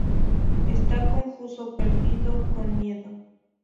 Está confuso, perdido, con miedo.